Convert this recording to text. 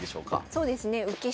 そうですね受け